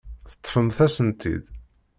Teṭṭfemt-asent-tt-id.